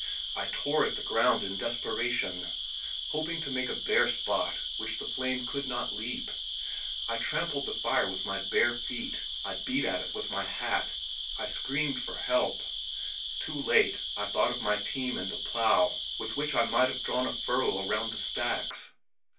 I tore at the ground in desperation, hoping to make a bare spot which the flame could not leap. I trampled the fire with my bare feet. I beat at it with my hat. I screamed for help. Too late I thought of my team and the plow with which I might have drawn a furrow around the stacks.